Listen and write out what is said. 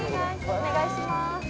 お願いします。